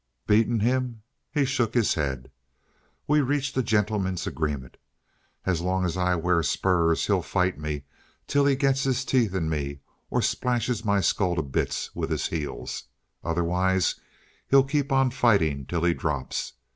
"Beaten him?" He shook his head. "We reached a gentleman's agreement. As long as I wear spurs, he'll fight me till he gets his teeth in me or splashes my skull to bits with his heels. Otherwise he'll keep on fighting till he drops.